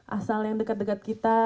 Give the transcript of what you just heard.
asal yang dekat dekat kita